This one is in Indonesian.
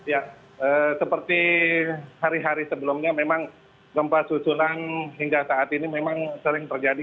ya seperti hari hari sebelumnya memang gempa susulan hingga saat ini memang sering terjadi